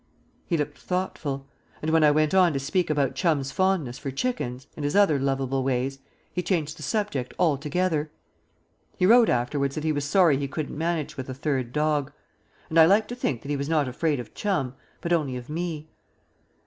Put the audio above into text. He looked thoughtful; and, when I went on to speak about Chum's fondness for chickens, and his other lovable ways, he changed the subject altogether. He wrote afterwards that he was sorry he couldn't manage with a third dog. And I like to think he was not afraid of Chum but only of me.